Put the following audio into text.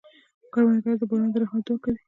کروندګر د باران د رحمت دعا کوي